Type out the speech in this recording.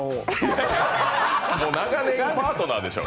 長年のパートナーでしょう。